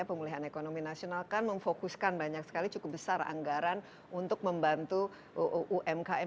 pemulihan ekonomi nasional kan memfokuskan banyak sekali cukup besar anggaran untuk membantu umkm